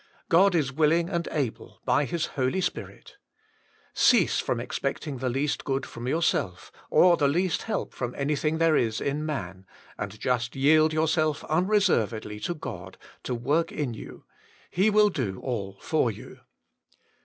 God is willing and able by His Holy Spirit Cease from expecting the least good from yourself, or the least help from anything there is in man, and just yield your PREFACE IS self unreservedly to God to work in you1 H» will do all for you.